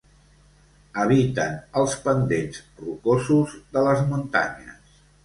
Habiten els pendents rocosos de les muntanyes.